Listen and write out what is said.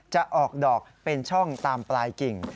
จะออกดอกเป็นช่องตามปลายกิ่ง